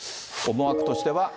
思惑としては。